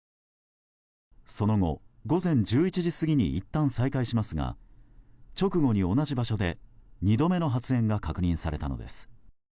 その後、午前１１時過ぎにいったん再開しますが直後に同じ場所で２度目の発煙が確認されたのです。